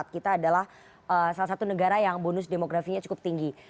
kita adalah salah satu negara yang bonus demografinya cukup tinggi